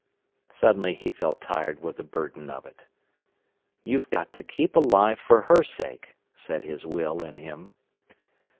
Suddenly he felt tired with the burden of it. "You've got to keep alive for her sake," said his will in him.